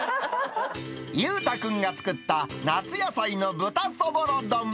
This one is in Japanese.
裕太君が作った夏野菜の豚そぼろ丼。